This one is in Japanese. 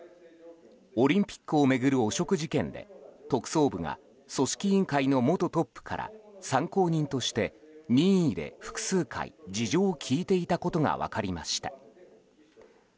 オリンピックを巡る汚職事件で特捜部が組織委員会の元トップから参考人として任意で複数回事情を聴いていたことが分かりました。